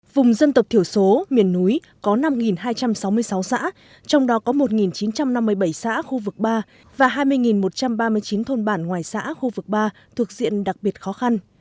vùng dân tộc thiểu số miền núi có năm hai trăm sáu mươi sáu xã trong đó có một chín trăm năm mươi bảy xã khu vực ba và hai mươi một trăm ba mươi chín thôn bản ngoài xã khu vực ba thuộc diện đặc biệt khó khăn